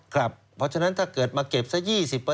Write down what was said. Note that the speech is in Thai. เพราะฉะนั้นถ้าเกิดมาเก็บซะ๒๐